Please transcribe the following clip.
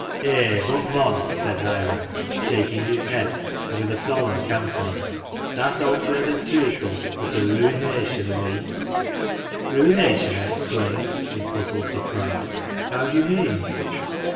"Eh! but mon," said Hiram, shaking his head, and with a solemn countenance :" That hogshead 0' treacle wiu: t' ruination o' me!" "Ruination!" 1 exclaimed in puzzled surprise, " how do you mean